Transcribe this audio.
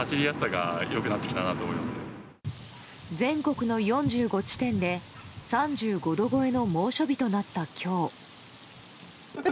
全国の４５地点で３５度超えの猛暑日となった今日。